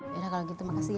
yaudah kalau gitu makasih ya